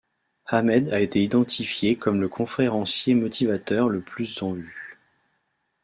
Ahmed a été identifié comme le conférencier motivateur le plus en vue.